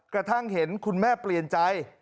กระทั่งเห็นคุณแม่เปลี่ยนใจ